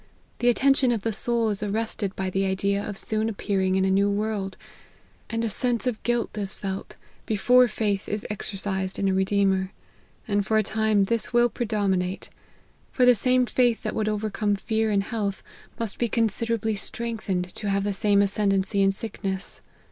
The attention of the soul is arrested by the idea of soon appearing in a new world ; and a sense of guilt is felt, before faith is exercised in a Redeemer : and for a time this will predominate ; for the same faith that would overcome fear in health, must be considerably strengthened to have the same ascend* ency in sickness.